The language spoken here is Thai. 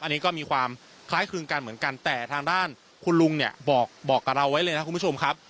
อันนี้ก็มีความคล้ายคลึงกันเหมือนกันแต่ทางด้านคุณลุงเนี่ยบอกกับเราไว้เลยนะคุณผู้ชมครับ